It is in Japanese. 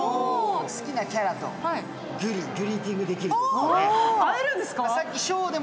好きなキャラとグリーティングできるというね。